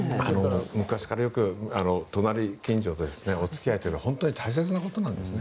昔からよく隣近所のお付き合いというのは本当に大切なことなんですね。